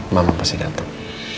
mama pasti dateng